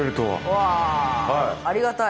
うわありがたい。